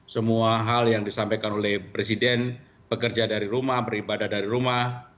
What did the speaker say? semua hal yang disampaikan oleh presiden pekerja dari rumah beribadah dari rumah